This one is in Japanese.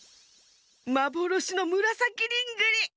まぼろしのむらさきリングリ！